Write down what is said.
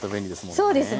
そうですね。